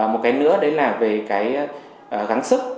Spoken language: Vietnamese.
một cái nữa đấy là về cái gắng sức